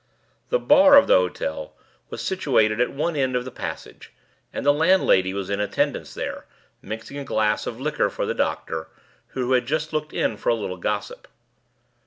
The "bar" of the hotel was situated at one end of the passage, and the landlady was in attendance there, mixing a glass of liquor for the doctor, who had just looked in for a little gossip.